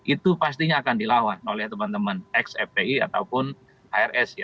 itu pastinya akan dilawan oleh teman teman x fpi ataupun hrs